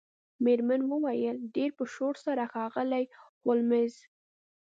میرمن وویل ډیر په شور سره ښاغلی هولمز